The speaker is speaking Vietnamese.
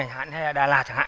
hay là đà lạt chẳng hạn